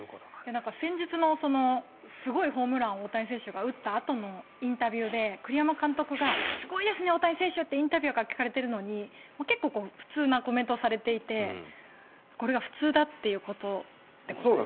すごいホームランを大谷選手が打ったあとのインタビューで栗山監督がすごいですね大谷選手！ってインタビュアーから聞かれているのに結構普通だという反応をされていてこれが普通だということですね。